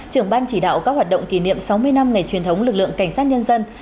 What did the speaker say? trưởng ban chỉ đạo các hoạt động kỷ niệm sáu mươi năm ngày truyền thống lực lượng cảnh sát nhân dân